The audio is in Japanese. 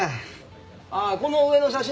あっこの上の写真もね